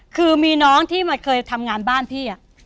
คือมีน้องที่เคยทำงานบ้านพี่